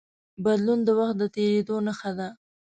بدلون د وخت د تېرېدو نښه ده.